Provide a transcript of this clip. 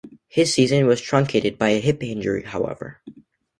His season was truncated by a hip injury, however.